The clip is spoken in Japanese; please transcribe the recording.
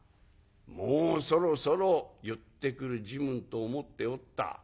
「もうそろそろ言ってくる時分と思っておった。